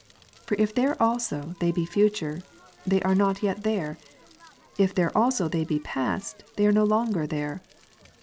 For if there also they be future, they are not yet there ; if there also they be past, they are no longer there.